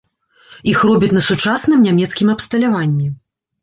Іх робяць на сучасным нямецкім абсталяванні.